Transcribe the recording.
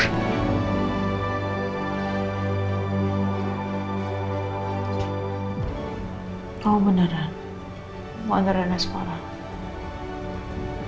kau beneran mau antar rena sekolah